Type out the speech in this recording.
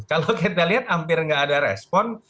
kalau kita lihat hampir nggak ada respon